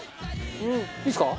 いいですか？